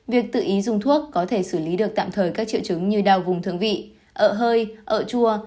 việc tự ý dùng thuốc có thể xử lý được tạm thời các triệu chứng như đau vùng thương vị ợ hơi ợ chua